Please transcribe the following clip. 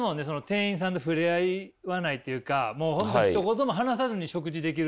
店員さんと触れ合わないっていうかもう本当ひと言も話さずに食事できるところとか。